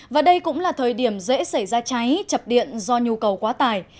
và đây cũng là thời điểm dễ xảy ra cháy chập điện do nhu cầu quá tài